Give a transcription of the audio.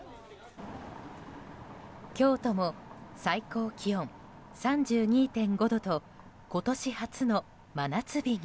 京都も最高気温３２．５度と今年初の真夏日に。